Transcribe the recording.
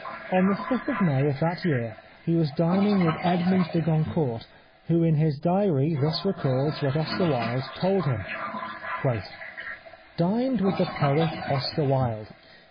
On the 5th of May of that year he was dining with Edmond de Goncourt who in his diary thus records what Oscai" Wilde told him :—" Dined \\dth the poet Oscar Wilde.